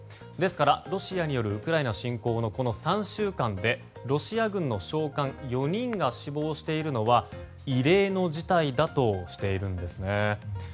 ですからロシアによるウクライナ侵攻の３週間でロシア軍の将官４人が死亡しているのは異例の事態だとしているんです。